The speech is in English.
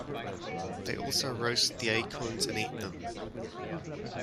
They also roast the acorns and eat them.